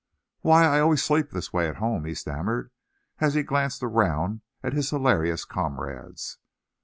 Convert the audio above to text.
"Why, I always sleep this way at home," he stammered, as he glanced around at his hilarious comrades.